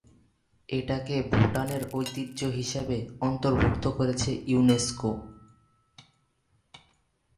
এটাকে ভুটানের ঐতিহ্য হিসাবে অন্তর্ভুক্ত করেছে ইউনেস্কো।